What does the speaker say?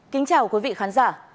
kính chào quý vị khán giả